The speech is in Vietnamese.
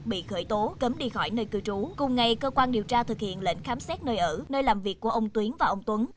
bị khởi tố cấm đi khỏi nơi cư trú cùng ngày cơ quan điều tra thực hiện lệnh khám xét nơi ở nơi làm việc của ông tuyến và ông tuấn